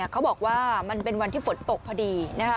เขาบอกว่ามันเป็นวันที่ฝนตกพอดี